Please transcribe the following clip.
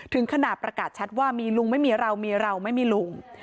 ถึงขนาดประกาศชัดว่ามีลุงไม่มีเรามีเราไม่มีลุง